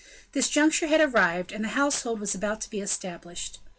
This juncture had arrived, and the household was about to be established.